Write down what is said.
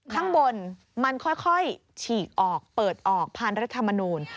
ข้างบนมันค่อยฉีกออกเปิดออกผ่านรัฐมนูล